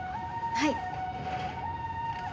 はい。